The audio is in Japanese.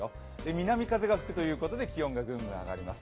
南風が吹くということで気温がぐんぐん上がります。